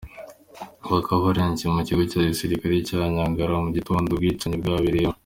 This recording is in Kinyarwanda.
Bakaba barayivanye mu kigo cya gisirikali cya Ngagara mu gitondo ubwicanyi bwabereyemo.